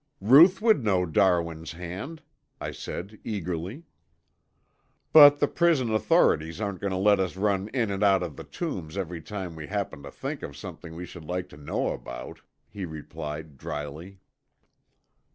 "Ruth would know Darwin's hand," I said eagerly. "But the prison authorities aren't going to let us run in and out of the Tombs every time we happen to think of something we should like to know about," he replied dryly.